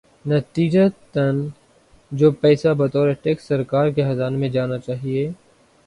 نتیجتا جو پیسہ بطور ٹیکس سرکار کے خزانے میں جانا چاہیے۔